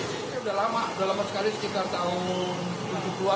ini udah lama udah lama sekali sekitar tahun tujuh puluh an lah ya